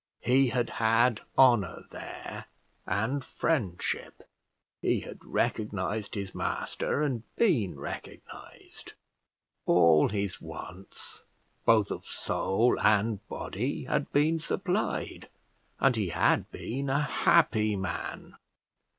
He had had honour there, and friendship; he had recognised his master, and been recognised; all his wants, both of soul and body, had been supplied, and he had been a happy man.